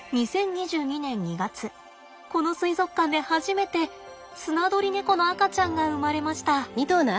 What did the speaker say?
この水族館で初めてスナドリネコの赤ちゃんが生まれました。